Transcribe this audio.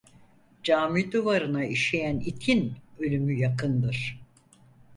Cami duvarına işeyen itin ölümü yakındır.